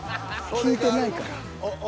聞いてないから。